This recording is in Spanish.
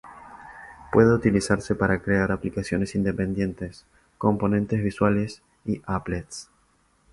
Puede utilizarse para crear aplicaciones independientes, componentes visuales y applets.